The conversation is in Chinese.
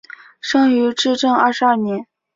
生于至正二十二年。